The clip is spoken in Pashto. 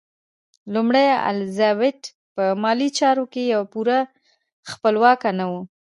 لومړۍ الیزابت په مالي چارو کې پوره خپلواکه نه وه.